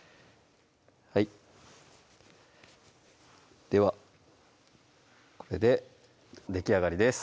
はいではこれでできあがりです